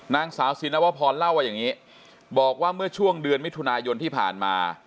นางสาวสินวพรเล่าว่าอย่างนี้บอกว่าเมื่อช่วงเดือนมิถุนายนที่ผ่านมา